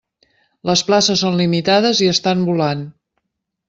Les places són limitades i estan volant!